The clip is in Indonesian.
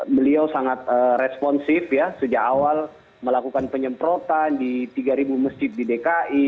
beliau sangat responsif ya sejak awal melakukan penyemprotan di tiga ribu masjid di dki